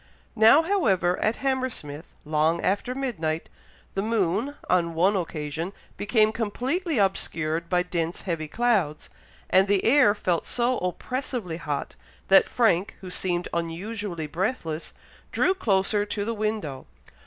Now, however, at Hammersmith, long after midnight, the moon, on one occasion, became completely obscured by dense heavy clouds, and the air felt so oppressively hot, that Frank, who seemed unusually breathless, drew closer to the window.